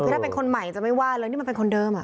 ถ้าเป็นคนใหม่จะไม่ว่าเรื่องนี้มันเป็นคนเดิม